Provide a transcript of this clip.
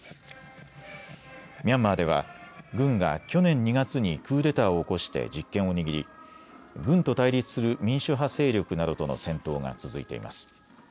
ミャンマーでは軍が去年２月にクーデターを起こして実権を握り軍と対立する民主派勢力などとの戦闘が続いています。